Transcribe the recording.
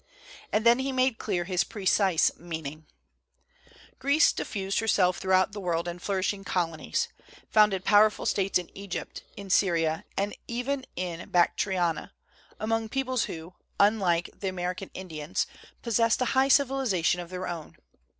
And then he made clear his precise meaning: Greece diffused herself throughout the world in flourishing colonies, founded powerful states in Egypt, in Syria, and even in Bactriana, among peoples who, unlike the American Indians, possessed a high civili sation of their own.